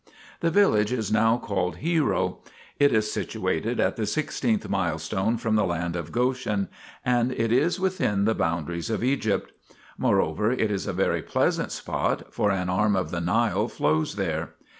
The village is now called Hero; it is situated at the sixteenth milestone from the land of Goshen, and it is within the boundaries of Egypt ; moreover, it is a very pleasant spot, for an arm of the Nile flows there.